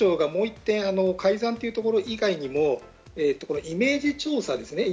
今回、消費者庁がもう１点、改ざんというところ以外にもイメージ調査ですね。